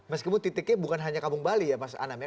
meskipun titiknya bukan hanya kampung bali ya mas anam ya